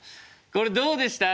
これどうでした？